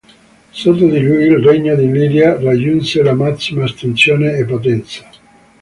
Sotto di lui il regno d'Illiria raggiunse la massima estensione e potenza.